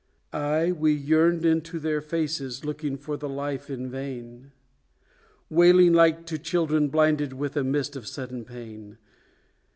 Ay, we yearned into their faces looking for the life in vain, Wailing like to children blinded with a mist of sudden pain!